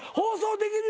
できるか！